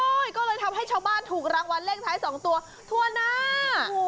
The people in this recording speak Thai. ก็เลยทำให้ชาวบ้านถูกรางวัลเลขท้าย๒ตัวทั่วหน้า